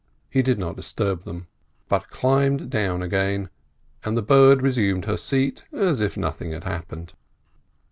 He did not disturb them, but climbed down again, and the bird resumed her seat as if nothing had happened.